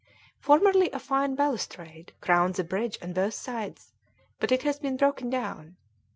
Formerly a fine balustrade crowned the bridge on both sides, but it has been broken down.